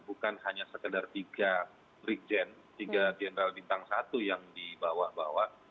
bukan hanya sekedar tiga brigjen tiga jenderal bintang satu yang dibawa bawa